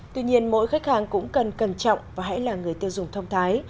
tuy nhiên mỗi khách hàng cũng cần cẩn trọng và hãy là người tiêu dùng thông thái